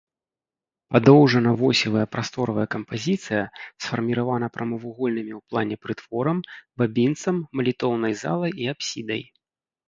Падоўжана-восевая прасторавая кампазіцыя сфарміравана прамавугольнымі ў плане прытворам, бабінцам, малітоўнай залай і апсідай.